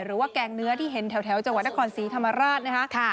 แกงเนื้อที่เห็นแถวจังหวัดนครศรีธรรมราชนะคะ